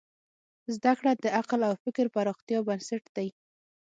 زدهکړه د عقل او فکر پراختیا بنسټ دی.